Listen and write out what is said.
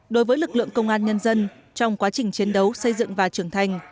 đối với lực lượng công an nhân dân trong quá trình chiến đấu xây dựng và trưởng thành